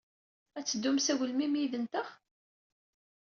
Ad teddum s agelmim yid-nteɣ?